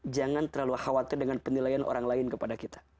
jangan terlalu khawatir dengan penilaian orang lain kepada kita